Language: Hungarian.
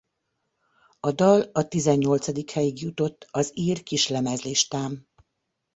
A dal a tizennyolcadik helyig jutott az ír kislemezlistán.